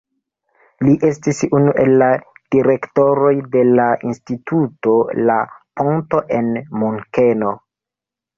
Li estis unu el la direktoroj de la Instituto La Ponto en Munkeno.